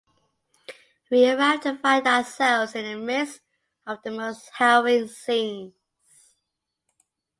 We arrived to find ourselves in the midst of the most harrowing scenes.